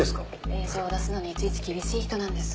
令状を出すのにいちいち厳しい人なんです。